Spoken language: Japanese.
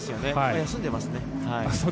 休んでますね。